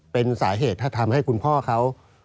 เป็นสาเหตุถ้าทำให้คุณพ่อเขา